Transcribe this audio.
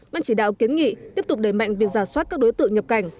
ban chỉ đạo kiến nghị tiếp tục đẩy mạnh việc giả soát các đối tượng nhập cảnh